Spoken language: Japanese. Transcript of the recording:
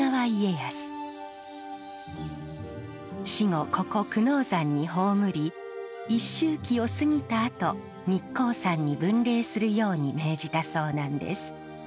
死後ここ久能山に葬り一周忌を過ぎたあと日光山に分霊するように命じたそうなんです。